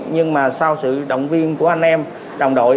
nhưng mà sau sự động viên của anh em đồng đội